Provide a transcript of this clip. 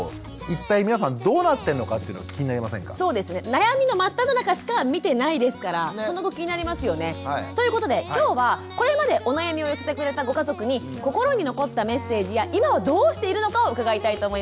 悩みの真っただ中しか見てないですからその後気になりますよね。ということで今日はこれまでお悩みを寄せてくれたご家族に心に残ったメッセージや今はどうしているのかを伺いたいと思います。